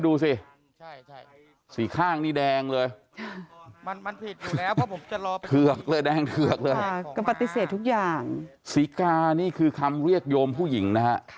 ลูกสาวก็คือลูกสาวเป็นผู้หญิง